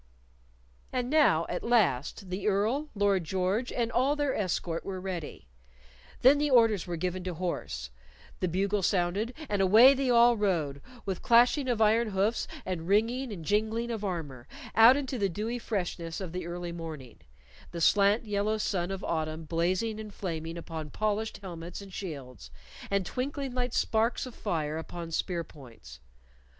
And now, at last, the Earl, Lord George, and all their escort were ready; then the orders were given to horse, the bugle sounded, and away they all rode, with clashing of iron hoofs and ringing and jingling of armor, out into the dewy freshness of the early morning, the slant yellow sun of autumn blazing and flaming upon polished helmets and shields, and twinkling like sparks of fire upon spear points.